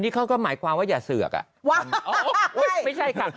นี้เขาก็หมายความว่าอย่าเสือกอ่ะ